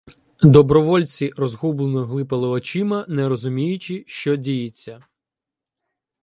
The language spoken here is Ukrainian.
Добровольці розгублено глипали очима, не розуміючи, що діється.